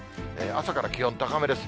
朝から気温高めです。